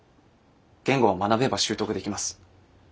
言語は学べば習得できます。